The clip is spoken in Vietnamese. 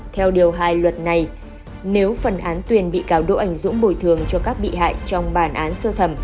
theo điều hai luật này nếu phần án tuyền bị cáo đỗ anh dũng bồi thường cho các bị hại trong bản án sơ thẩm